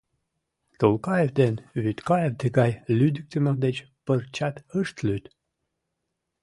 Тулкаев ден Вӱдкаев тыгай лӱдыктымӧ деч пырчат ышт лӱд.